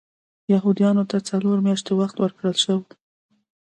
یهودیانو ته څلور میاشتې وخت ورکړل شو.